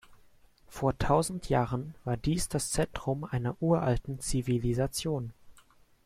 Vor tausend Jahren war dies das Zentrum einer uralten Zivilisation.